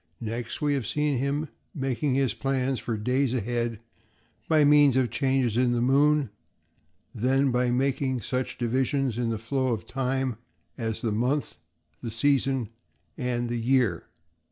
Next, we have seen him making his plans for days ahead by means of the changes in the moon, then by making such division in the flow of time as the month, the season, and the year.